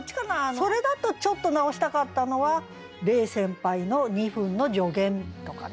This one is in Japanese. それだとちょっと直したかったのは「黎先輩の２分の助言」とかね。